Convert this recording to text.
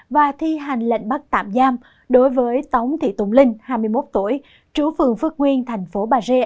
và thi hành lệnh bắt tạm giam đối với tống thị tùng linh hai mươi một tuổi chú phường phước nguyên thành phố bà rê